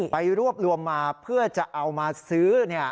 ไปรวบรวมมาเพื่อจะเอามาซื้อ